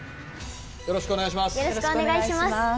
よろしくお願いします。